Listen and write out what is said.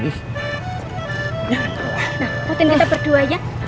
nah fotoin kita berduanya